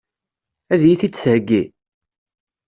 Ad iyi-t-id-theggi?